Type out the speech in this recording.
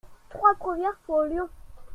Trois premières pour Lyon !…